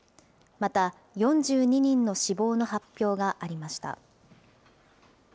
また４２人の死亡の発表がありました。